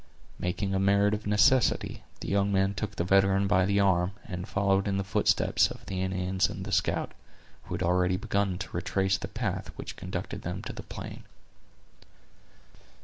Making a merit of necessity, the young man took the veteran by the arm, and followed in the footsteps of the Indians and the scout, who had already begun to retrace the path which conducted them to the plain.